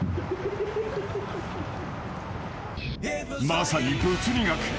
［まさに物理学］